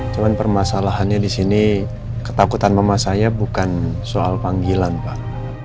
cuma permasalahannya di sini ketakutan mama saya bukan soal panggilan pak